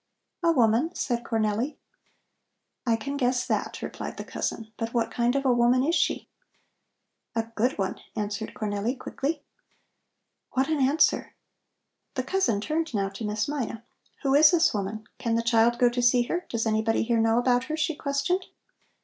"A woman," said Cornelli. "I can guess that," replied the cousin. "But what kind of a woman is she?" "A good one," answered Cornelli quickly. "What an answer!" The cousin turned now to Miss Mina: "Who is this woman? Can the child go to see her? Does anybody here know about her?" she questioned.